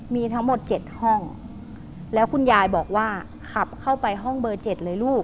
มีทั้งหมด๗ห้องแล้วคุณยายบอกว่าขับเข้าไปห้องเบอร์๗เลยลูก